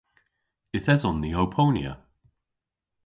Yth eson ni ow ponya.